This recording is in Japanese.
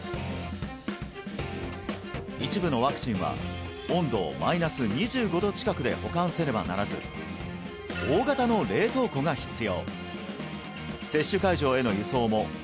一部のワクチンは温度をマイナス２５度近くで保管せねばならず大型の冷凍庫が必要